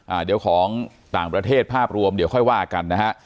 เดี๋ยวของต่างประเทศภาพรวมเดี๋ยวค่อยว่ากันนะฮะ